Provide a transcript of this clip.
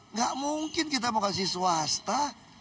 nggak mungkin kita mau kasih swasta